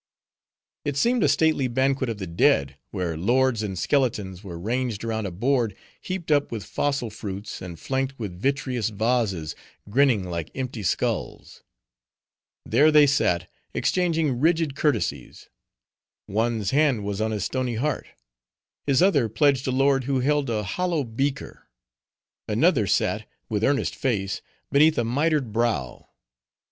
It seemed a stately banquet of the dead, where lords in skeletons were ranged around a board heaped up with fossil fruits, and flanked with vitreous vases, grinning like empty skulls. There they sat, exchanging rigid courtesies. One's hand was on his stony heart; his other pledged a lord who held a hollow beaker. Another sat, with earnest face beneath a mitred brow.